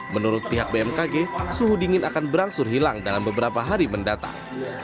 menurut pihak bmkg suhu dingin akan berangsur hilang dalam beberapa hari mendatang